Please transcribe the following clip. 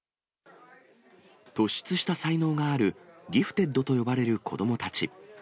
突出した才能があるギフテッドと呼ばれる子どもたち。